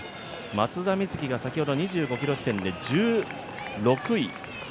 松田瑞生が先ほど２５ｋｍ地点で１６位。